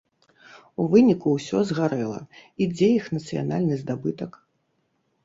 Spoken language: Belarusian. У выніку ўсё згарэла, і дзе іх нацыянальны здабытак?